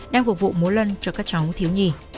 đang phục vụ múa lân cho các cháu thiếu nhì